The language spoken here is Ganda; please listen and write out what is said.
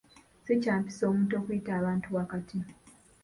Si kya mpisa omuntu okuyita abantu wakati.